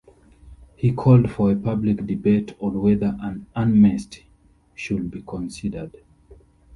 He called for a public debate on whether an amnesty should be considered.